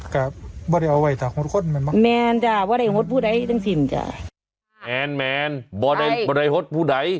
ก็บริเอาไว้แต่แม่นจะพูดแบบ